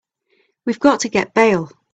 We've got to get bail.